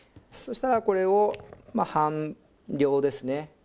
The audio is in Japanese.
そしたらこれをまあ半量ですね。